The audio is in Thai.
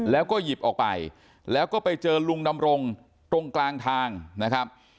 แล้วก็หยิบออกไปแล้วก็ไปเจอลุงดำรงตรงกลางทางนะครับ